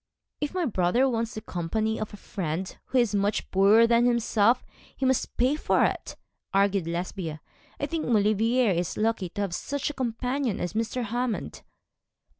'If my brother wants the company of a friend who is much poorer than himself, he must pay for it,' argued Lesbia. 'I think Maulevrier is lucky to have such a companion as Mr. Hammond.'